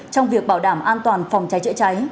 trong việc bảo đảm an toàn phòng cháy chữa cháy